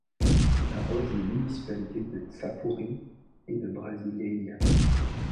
Il arrose les municipalités de Xapuri et Brasiléia.